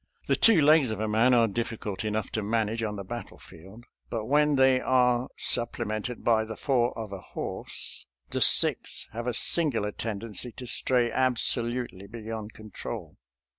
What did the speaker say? The two legs of a man are difficult enough to manage on the battlefield, but when they are supple mented by the four of a horse, the six have a singular tendency to stray absolutely beyond control.